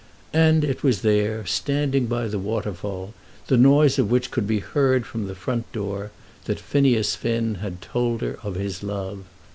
And it was there, standing by the waterfall, the noise of which could be heard from the front door, that Phineas Finn had told her of his love.